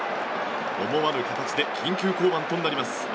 思わぬ形で緊急降板となります。